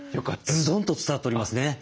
ズドンと伝わっておりますね。